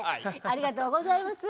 ありがとうございます。